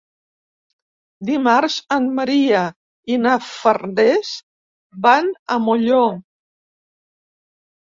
Dimarts en Maria i na Farners van a Molló.